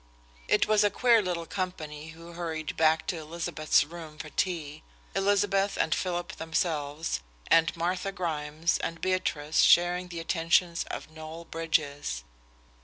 It was a queer little company who hurried back to Elizabeth's room for tea Elizabeth and Philip themselves, and Martha Grimes and Beatrice sharing the attentions of Noel Bridges.